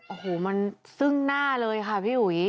โอ้โหมันซึ่งหน้าเลยค่ะพี่อุ๋ย